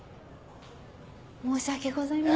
申し訳ございません。